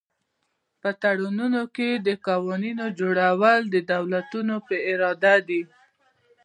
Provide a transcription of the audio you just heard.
په تړونونو کې د قوانینو جوړول د دولتونو په اراده دي